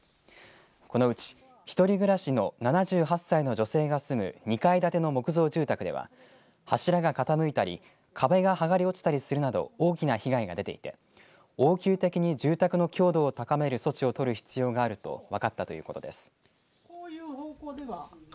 このうち、１人暮らしの７８歳の女性が住む２階建ての木造住宅では柱が傾いたり壁が剥がれ落ちたりするなど大きな被害が出ていて応急的に住宅の強度を高める措置を取る必要があると分かったということです。